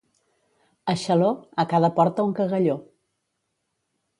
A Xaló, a cada porta un cagalló.